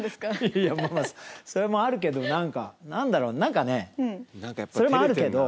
いや、まあ、それもあるけど、なんか、なんだろう、なんかね、それもあるけど。